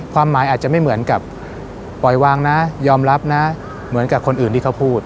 ความหมายอาจจะไม่เหมือนกับปล่อยวางนะยอมรับนะเหมือนกับคนอื่นที่เขาพูด